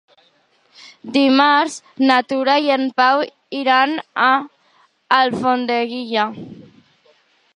Dimarts na Tura i en Pau iran a Alfondeguilla.